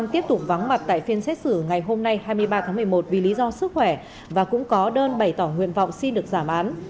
tiếp tục vắng mặt tại phiên xét xử ngày hôm nay hai mươi ba tháng một mươi một vì lý do sức khỏe và cũng có đơn bày tỏ nguyện vọng xin được giảm án